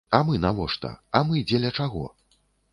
А мы навошта, а мы дзеля чаго?